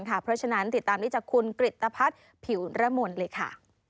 เพราะฉะนั้นติดตามได้จากคุณกริตภัทรผิวระมนต์เลยค่ะ